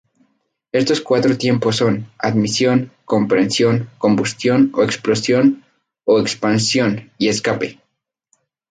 Estos cuatro tiempos son: admisión, compresión, combustión o explosión o expansión y escape.